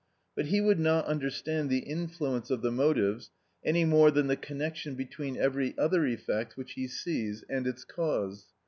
But he would not understand the influence of the motives any more than the connection between every other effect which he sees and its cause.